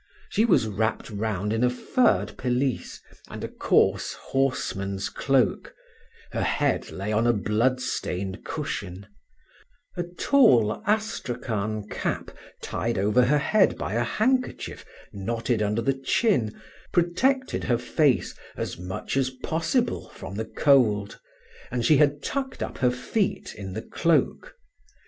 She was wrapped round in a furred pelisse and a coarse horseman's cloak, her head lay on a blood stained cushion; a tall astrakhan cap tied over her head by a handkerchief knotted under the chin protected her face as much as possible from the cold, and she had tucked up her feet in the cloak.